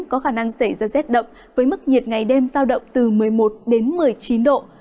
có khả năng xảy ra rét đậm với mức nhiệt ngày đêm giao động từ một mươi một đến một mươi chín độ